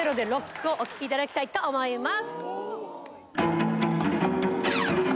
お聴きいただきたいと思います。